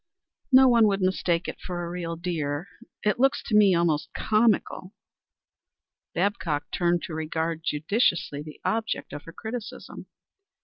"No one would mistake it for a real deer. It looks to me almost comical." Babcock turned to regard judicially the object of her criticism.